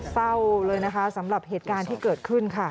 เศร้าเลยนะคะสำหรับเหตุการณ์ที่เกิดขึ้นค่ะ